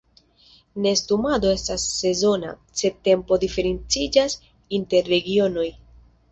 Nestumado estas sezona, sed tempo diferenciĝas inter regionoj.